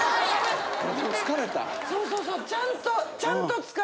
そうそうそうちゃんと。